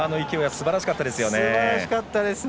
すばらしかったですね。